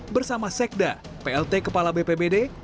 bersama sekda plt kepala bpbd